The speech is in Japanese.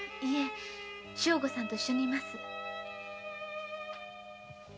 正吾さんと一緒にいます。